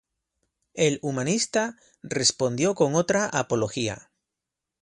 El humanista respondió con otra apología.